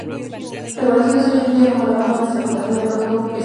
Reconocidos hoy en día como la banda más importante de rock-pop mexicano.